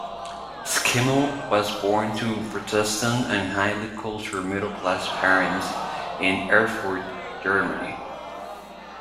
Schimmel was born to Protestant and highly cultured middle-class parents in Erfurt, Germany.